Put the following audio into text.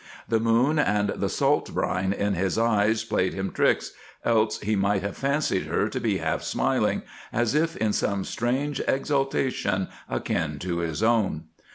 The moon and the salt brine in his eyes played him tricks, else he might have fancied her to be half smiling, as if in some strange exaltation akin to his own.